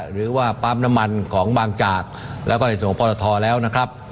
หรือว่าปั๊มน้ำมันของบางจากและสวทธิ์สวทธิ์แล้วนะครับ